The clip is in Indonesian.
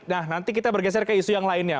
nah nanti kita bergeser ke isu yang lainnya